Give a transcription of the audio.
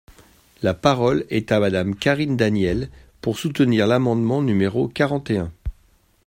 La parole est à Madame Karine Daniel, pour soutenir l’amendement numéro quarante et un.